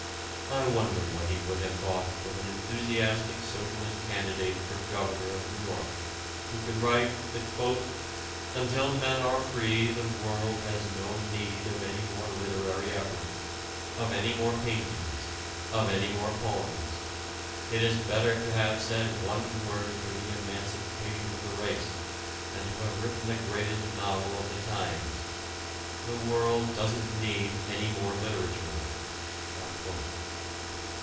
I wonder what he would have thought of an enthusiastic socialist candidate for Governor of New York who could write that "until men are free the world has no need of any more literary efforts, of any more paintings, of any more poems. It is better to have said one word for the emancipation of the race than to have written the greatest novel of the times.... The world doesn't need any more literature."